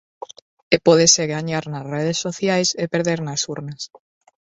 E pódese gañar nas redes sociais e perder nas urnas.